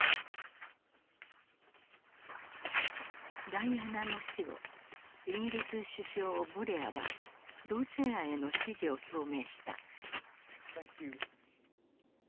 ダイアナの死後イギリス首相ブレアは同性愛への支持を表明した。